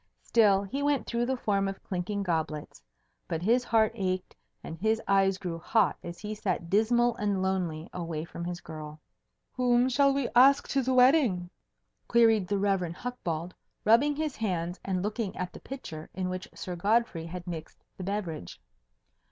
Still he went through the form of clinking goblets. But his heart ached, and his eyes grew hot as he sat dismal and lonely away from his girl. "Whom shall we ask to the wedding?" queried the Rev. Hucbald, rubbing his hands and looking at the pitcher in which Sir Godfrey had mixed the beverage.